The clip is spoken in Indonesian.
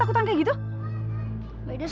harus barley hati hati biasa